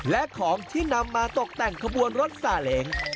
และของที่นำมาตกแต่งขบวนรถสาเล้ง